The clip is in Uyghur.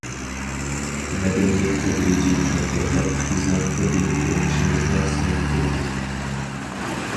مەدەنىيەت تەدرىجىي چوڭقۇرلاپ بىزنىڭ كۈندىلىك تۇرمۇشىمىزغا سىڭىپ كىردى.